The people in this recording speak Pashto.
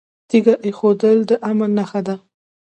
تیږه ایښودل د امن نښه ده